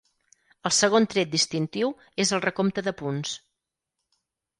El segon tret distintiu és el recompte de punts.